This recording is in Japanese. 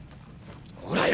ほらよ！